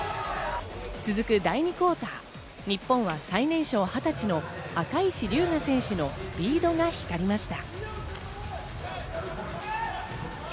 続く第２クオーター、日本は最年少２０歳の赤石竜我選手のスピードが光りました。